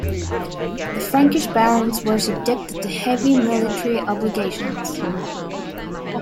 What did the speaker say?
The Frankish barons were subjected to heavy military obligations.